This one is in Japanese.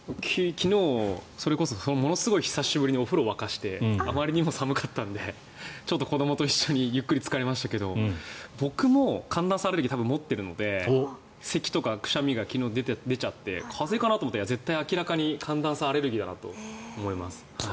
昨日、それこそものすごい久しぶりにお風呂を沸かしてあまりにも寒かったのでちょっと子どもと一緒にゆっくりつかりましたけど僕も寒暖差アレルギー持っているのでせきとかくしゃみが昨日、出ちゃって風邪かなと思ったら明らかに寒暖差アレルギーだなと思います。